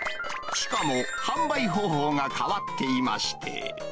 しかも販売方法が変わっていまして。